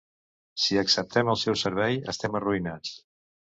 Si acceptem el seu servei, estem arruïnats.